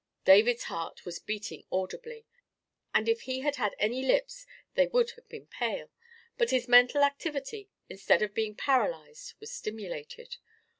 David's heart was beating audibly, and if he had had any lips they would have been pale; but his mental activity, instead of being paralysed, was stimulated.